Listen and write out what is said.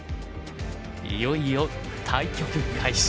いよいよ対局開始。